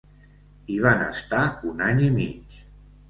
Hi van estar un any i mig.